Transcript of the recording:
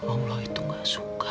om lo itu gak suka